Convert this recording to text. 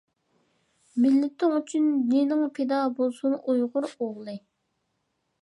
مىللىتىڭ ئۈچۈن جىنىڭ پىدا بولسۇن ئۇيغۇر ئوغلى!